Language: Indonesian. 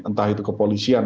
entah itu kepolisian